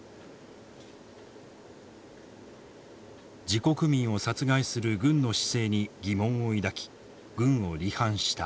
自国民を殺害する軍の姿勢に疑問を抱き軍を離反した。